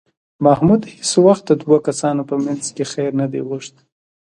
محمود هېڅ وخت د دوو کسانو په منځ کې خیر نه دی غوښتی